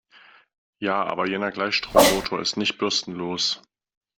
Ja, aber jener Gleichstrommotor ist nicht bürstenlos.